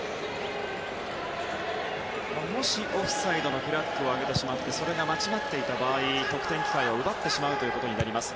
もしオフサイドのフラッグを上げてしまってそれが間違っていた場合得点機会を奪ってしまうことになります。